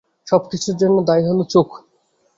সবকিছুর জন্যে দায়ী হল চোখ।